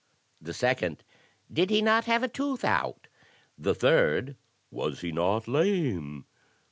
The second: "Did he not have a tooth out?" The third: "Was he not lame?"